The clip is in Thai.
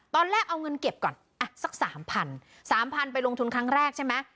ตอนแรกเอาเงินเก็บก่อนอ่ะสักสามพันสามพันไปลงทุนครั้งแรกใช่ไหม